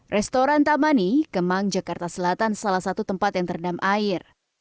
restoran tamani kemang jakarta selatan salah satu tempat yang terendam air